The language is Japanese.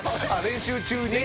練習中に。